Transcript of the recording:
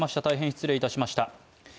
大変失礼いたしました。